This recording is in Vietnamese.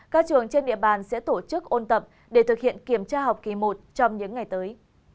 các trường trên địa bàn sẽ tổ chức ôn tập để thực hiện kiểm tra học kỳ một trong những ngày tới